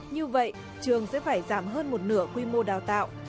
như vậy trường sẽ phải giảm hơn một nửa quy mô đào tạo